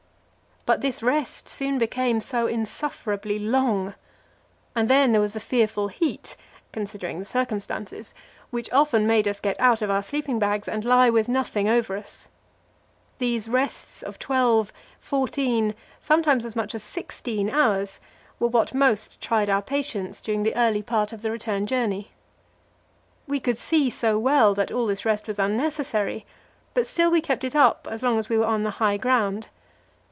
But this rest soon became so insufferably long. And then there was the fearful heat considering the circumstances which often made us get out of our sleeping bags and lie with nothing over us. These rests of twelve, fourteen, sometimes as much as sixteen hours, were what most tried our patience during the early part of the return journey. We could see so well that all this rest was unnecessary, but still we kept it up as long as we were on the high ground.